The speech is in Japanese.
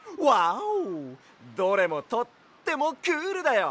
どれもとってもクールだよ！